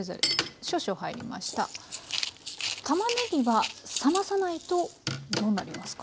たまねぎは冷まさないとどうなりますか？